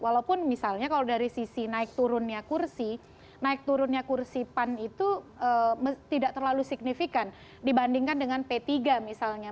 walaupun misalnya kalau dari sisi naik turunnya kursi naik turunnya kursi pan itu tidak terlalu signifikan dibandingkan dengan p tiga misalnya